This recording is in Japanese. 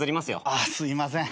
あっすいません。